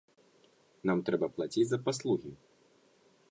Нам трэба плаціць за паслугі.